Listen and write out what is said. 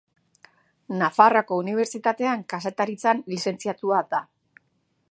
Nafarroako Unibertsitatean Kazetaritzan lizentziatua da.